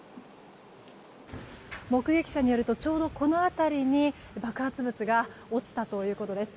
目撃者によるとちょうどこの辺りに爆発物が落ちたということです。